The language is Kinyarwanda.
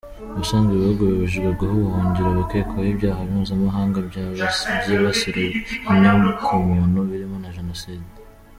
Ubusanzwe ibihugu bibujijwe guha ubuhungiro abakekwaho ibyaha mpuzamahanga byibasira inyokomuntu birimo na jenoside.